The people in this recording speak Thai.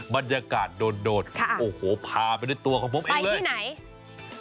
บรรยากาศโดดโอ้โหพาไปด้วยตัวของผมเองเลยที่ไหน